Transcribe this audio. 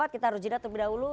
kita harus jeda terlebih dahulu